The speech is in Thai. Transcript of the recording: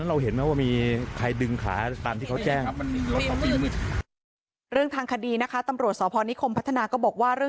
เรื่องทางคดีนะคะตำรวจสนิคมพัฒนาก็บอกว่า